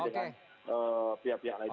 dengan pihak pihak lainnya